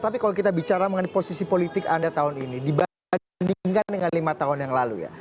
tapi kalau kita bicara mengenai posisi politik anda tahun ini dibandingkan dengan lima tahun yang lalu ya